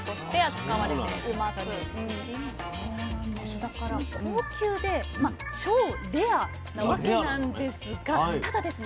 だから高級でまあ超レアなわけなんですがただですね